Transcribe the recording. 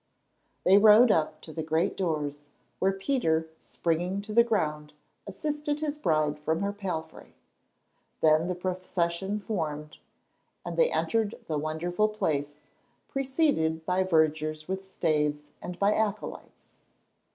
They rode up to the great doors, where Peter, springing to the ground, assisted his bride from her palfrey. Then the procession formed, and they entered the wonderful place, preceded by vergers with staves, and by acolytes.